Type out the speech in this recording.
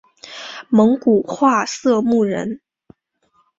蒙古化色目人。